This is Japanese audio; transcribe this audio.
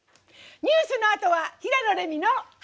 ニュースのあとは「平野レミの。